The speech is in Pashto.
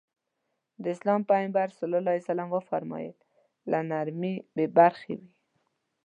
د اسلام پيغمبر ص وفرمايل له نرمي بې برخې وي.